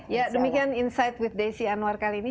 ya demikian insight with desi anwar kali ini